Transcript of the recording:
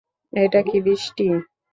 এটা কি বৃষ্টি?